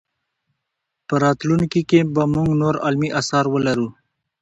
په راتلونکي کې به موږ نور علمي اثار ولرو.